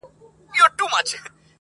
د خپلي ژبي په بلا.